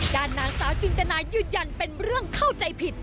ด้านนางสาวจินตนายืนยันเป็นเรื่องเข้าใจผิด